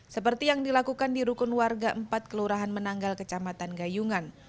seperti yang dilakukan di rukun warga empat kelurahan menanggal kecamatan gayungan